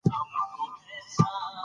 آلو بالو دا انجلۍ به غواړو